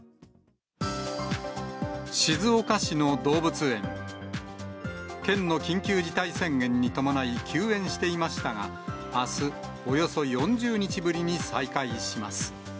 静岡市の動物園、県の緊急事態宣言に伴い休園していましたが、あす、およそ４０日ぶりに再開します。